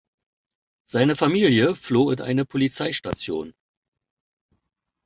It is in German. Seine Familie floh in eine Polizeistation.